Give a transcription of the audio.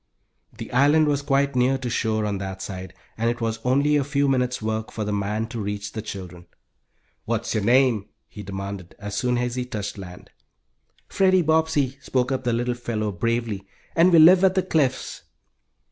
The island was quite near to shore on that side, and it was only a few minutes' work for the man to reach the children. "What's your name?" he demanded, as soon as he touched land. "Freddie Bobbsey," spoke up the little fellow, bravely, "and we live at the Cliffs."